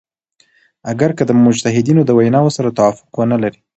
اګر که د مجتهدینو د ویناوو سره توافق ونه لری.